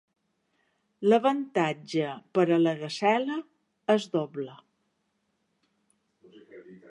L'avantatge per a la gasela és doble.